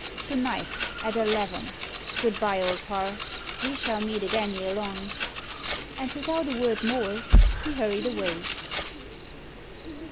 To night, at eleven! Good bye, Old Parr. Ve shall meet again ere long." And without a word more, he hurried away.